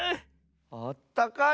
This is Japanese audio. あったかい？